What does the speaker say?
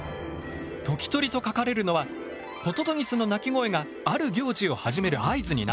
時鳥と書かれるのはホトトギスの鳴き声がある行事を始める合図になったから。